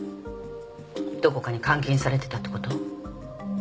どこかに監禁されてたってこと？